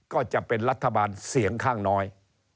ก็จะเป็นรัฐบาลเสียงข้างน้อย